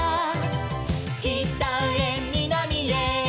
「きたへみなみへ」